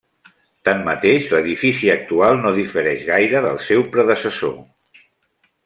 Tanmateix l'edifici actual no difereix gaire del seu predecessor.